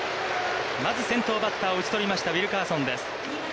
まず先頭バッターを打ち取りましたウィルカーソンです。